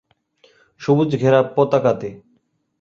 সবুজ ঘেরা পতাকাতে